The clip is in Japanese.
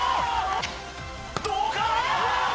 どうか！